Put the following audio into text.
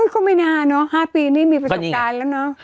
ก็ไม่นานเนอะ๕ปีนี่มีประสบการณ์แล้วเนอะ